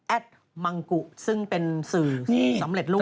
มังกุซึ่งเป็นสื่อสำเร็จรูป